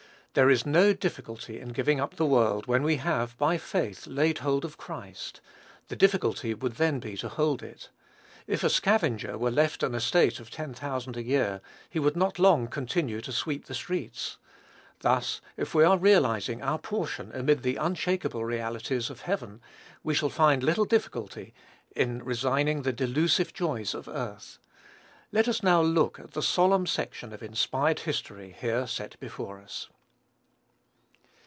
There is no difficulty in giving up the world when we have, by faith, laid hold of Christ: the difficulty would then be to hold it. If a scavenger were left an estate of ten thousand a year, he would not long continue to sweep the streets. Thus, if we are realizing our portion amid the unshakeable realities of heaven, we shall find little difficulty in resigning the delusive joys of earth. Let us now look at the solemn section of inspired history here set before us.